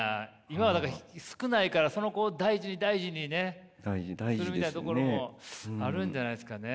今は少ないからその子を大事に大事にねするみたいなところもあるんじゃないんですかね。